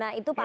nah itu pak